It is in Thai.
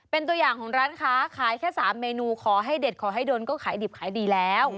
เป็นตัวอย่างของร้านค้าขายแค่๓เมนูขอให้เด็ดขอให้โดนก็ขายดิบขายดีแล้ว